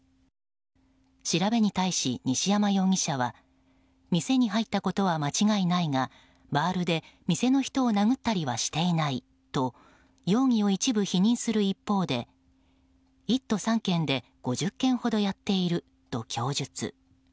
調べに対し西山容疑者は店に入ったことは間違いないがバールで店の人を殴ったりはしていないと容疑を一部否認する一方で１都３県で５０件ほどやっていると供述。